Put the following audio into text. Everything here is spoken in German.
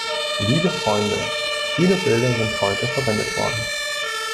Liebe Freunde, viele Bilder sind heute verwendet worden.